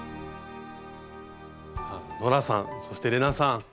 さあノラさんそして玲奈さん